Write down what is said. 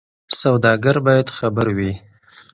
سوداګر باید خبر وي.